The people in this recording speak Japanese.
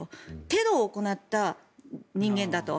テロを行った人間だと。